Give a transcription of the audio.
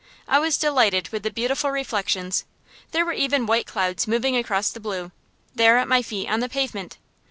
I was delighted with the beautiful reflections; there were even the white clouds moving across the blue, there, at my feet, on the pavement!